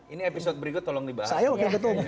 ini episode berikut tolong dibahas